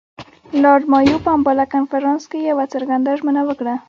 لارډ مایو په امباله کنفرانس کې یوه څرګنده ژمنه وکړه.